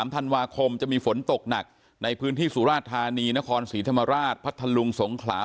ธันวาคมจะมีฝนตกหนักในพื้นที่สุราชธานีนครศรีธรรมราชพัทธลุงสงขลา